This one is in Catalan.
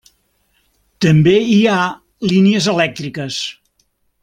També hi ha línies elèctriques.